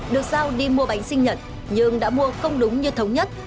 được giao đi mua bánh sinh nhật nhưng đã mua không đúng như thống nhất